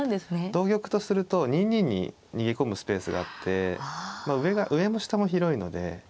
同玉とすると２二に逃げ込むスペースがあって上も下も広いので。